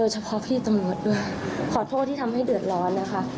เฉพาะพี่ตำรวจด้วยขอโทษที่ทำให้เดือดร้อนนะคะ